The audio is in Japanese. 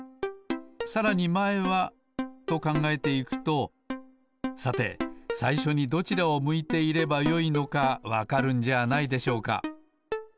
さらにまえはとかんがえていくとさてさいしょにどちらを向いていればよいのかわかるんじゃないでしょうか。